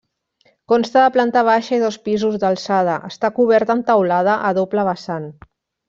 Consta de planta baixa i dos pisos d'alçada, està cobert amb teulada a doble vessant.